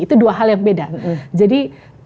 itu dua hal yang beda jadi